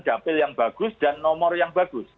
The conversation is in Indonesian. dapil yang bagus dan nomor yang bagus